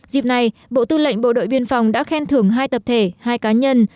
dịp này bộ tư lệnh bộ đội biên phòng đã khen thưởng hai tập thể hai cá nhân